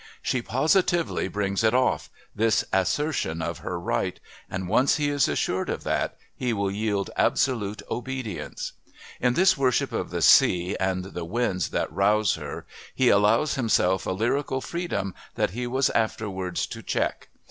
She positively "brings it off," this assertion of her right, and once he is assured of that, he will yield absolute obedience. In this worship of the Sea and the winds that rouse her he allows himself a lyrical freedom that he was afterwards to check.